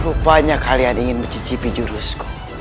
rupanya kalian ingin mencicipi jurus